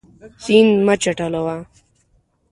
سیند مه چټلوه.